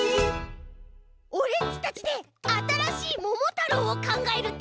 オレっちたちであたらしい「ももたろう」をかんがえるってのはどう？